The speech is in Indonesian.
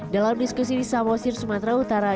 dalam diskusi di samosir sumatera utara